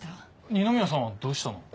二宮さんはどうしたの？